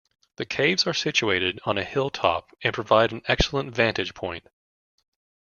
The caves are situated on a hilltop and provide an excellent vantage point.